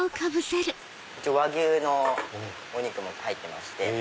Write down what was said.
和牛のお肉も入ってまして。